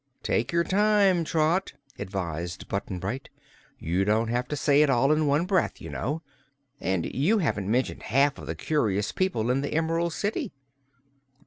"Take your time, Trot," advised Button Bright. "You don't have to say it all in one breath, you know. And you haven't mentioned half of the curious people in the Em'rald City."